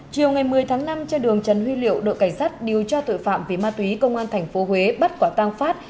chiều ngày một mươi tháng năm trên đường trần huy liệu đội cảnh sát điều tra tội phạm về ma túy công an tp huế bắt quả tang phát